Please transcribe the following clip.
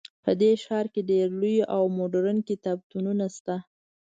په دې ښار کې ډیر لوی او مدرن کتابتونونه شته